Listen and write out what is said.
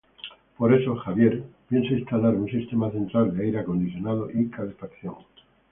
Por eso, Javier piensa instalar un sistema central de aire acondicionado y calefacción.